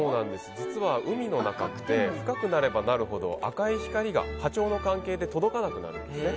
実は海の中って深くなればなるほど赤い光が波長の関係で届かなくなるんです。